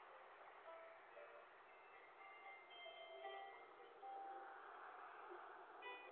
整体像樽形。